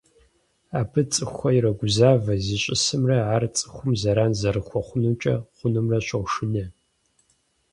Абы цӀыхухэр ирогузавэ, зищӀысымрэ ар цӀыхум зэран зэрыхуэхъункӀэ хъунумрэ щошынэ.